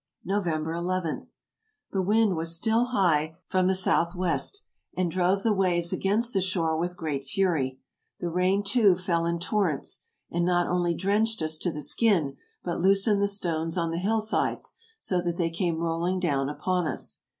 "November n. — The wind was still high from the south 156 TRAVELERS AND EXPLORERS west, and drove the waves against the shore with great fury; the rain, too, fell in torrents, and not only drenched us to the skin, but loosened the stones on the hillsides, so that they came rolling down upon us.